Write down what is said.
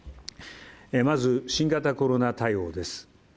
まず、新型コロナ対応です。